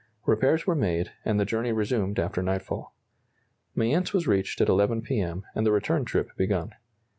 Repairs were made, and the journey resumed after nightfall. Mayence was reached at 11 P. M., and the return trip begun.